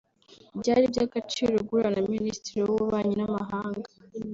Byari iby’agaciro guhura na Minisitiri w’Ububanyi n’Amahanga